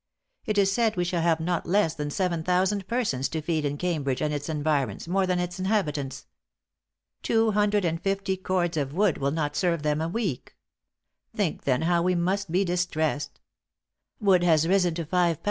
It is said we shall have not less than seven thousand persons to feed in Cambridge and its environs, more than its inhabitants. Two hundred and fifty cords of wood will not serve them a week. Think then how we must be distressed. Wood has risen to L5 10s.